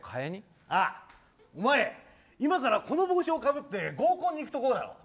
お前、今からこの帽子をかぶって合コンに行くところだろ。